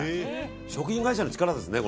食品会社の力ですね。